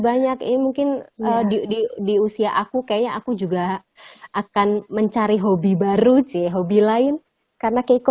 banyak ini mungkin di usia aku kayaknya aku juga akan mencari hobi baru sih hobi lain karena keiko